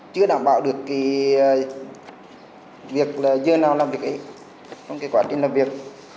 chưa đảm bảo được cái việc là giờ nào làm việc ấy trong cái quá trình làm việc